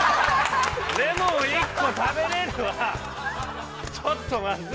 レモン１個食べれるはちょっとまずい。